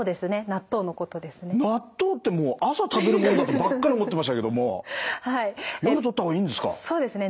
納豆ってもう朝食べるもんだとばっかり思ってましたけども夜とった方がいいんですか。